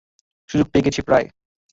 সুযোগ পেয়ে গেছি প্রায়।